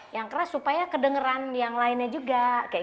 yang keras supaya kedengeran yang lainnya juga